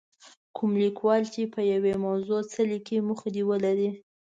کوم لیکوال چې په یوې موضوع څه لیکي موخه دې ولري.